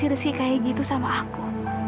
kenapa resi resi kayak gitu sama aku